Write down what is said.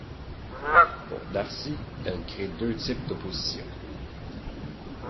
Pour Darcy, elle crée deux types d'opposition.